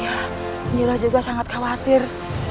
iya nyik juga sangat khawatir